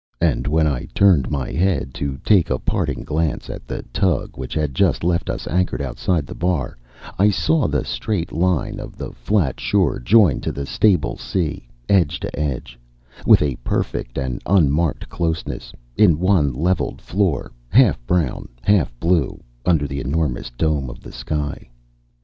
And when I turned my head to take a parting glance at the tug which had just left us anchored outside the bar, I saw the straight line of the flat shore joined to the stable sea, edge to edge, with a perfect and unmarked closeness, in one leveled floor half brown, half blue under the enormous dome of the sky.